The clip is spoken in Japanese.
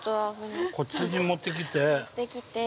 こっちに持ってきて。